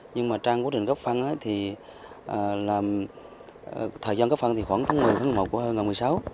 nhưng mà trang quá trình cấp phăng thì thời gian cấp phăng thì khoảng tháng một mươi tháng một mươi một của năm hai nghìn một mươi sáu